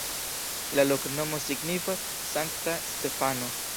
La loknomo signifas: Sankta Stefano.